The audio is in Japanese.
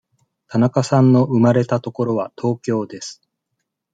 田中さんの生まれた所は東京です。